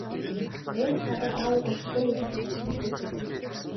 - Ээж надад аавыг удахгүй ирнэ гэж хэлсэн шүү дээ.